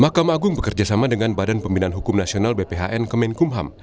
mahkamah agung bekerjasama dengan badan pembinaan hukum nasional bphn kemenkumham